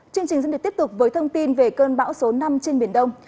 chương trình dân địch tiếp tục với thông tin về cơn bão số năm trên biển đông